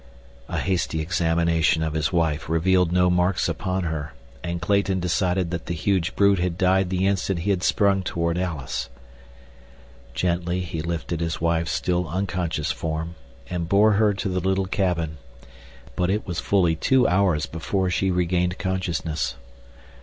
A hasty examination of his wife revealed no marks upon her, and Clayton decided that the huge brute had died the instant he had sprung toward Alice. Gently he lifted his wife's still unconscious form, and bore her to the little cabin, but it was fully two hours before she regained consciousness.